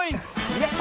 やった！